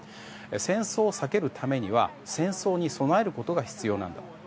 戦争を避けるためには戦争に備えることが必要なんだと。